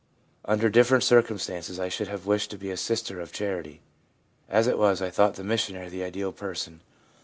Under different circumstances I should have wished to be a sister of charity ; as it was, I thought the missionary the ideal person.